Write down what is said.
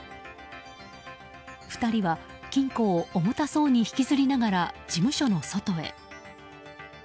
２人は金庫を重たそうに引きずりながら事務所の外へ。